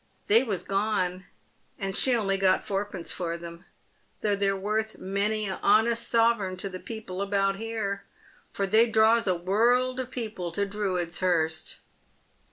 They was gone, and she only got four pence for them, though they're worth many a honest sovereign to the people about here, for they draws a world of people to Drudes hurst."